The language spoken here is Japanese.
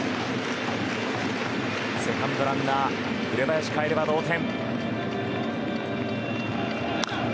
セカンドランナーの紅林がかえれば同点。